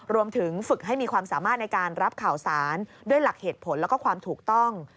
รวมถึงฝึกให้มีความสามารถในการรับข่าวสารด้วยหลักเหตุผลแล้วก็ความถูกต้อง